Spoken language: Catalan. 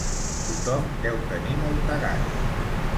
Tothom deu tenir molta gana.